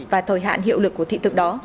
và thời hạn hiệu lực của thị thực đó